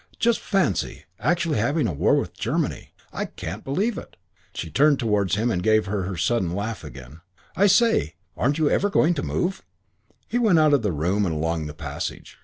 Just fancy actually having war with Germany. I can't believe it." She turned towards him and gave her sudden laugh again. "I say, aren't you ever going to move?" He went out of the room and along the passage.